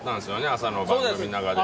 朝の番組の中で。